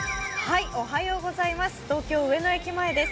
東京・上野駅前です。